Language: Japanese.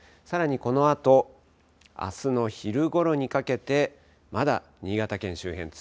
さらに、このあとあすの昼ごろにかけてまだ新潟県周辺